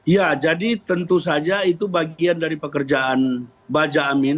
ya jadi tentu saja itu bagian dari pekerjaan baja amin